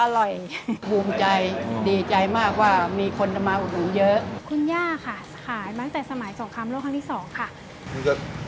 และเส้นก๋วยเตี๋ยวตรากิเลนคู่